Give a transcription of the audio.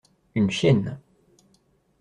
Une chienne.